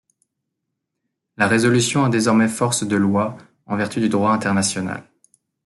La résolution a désormais force de loi en vertu du droit international.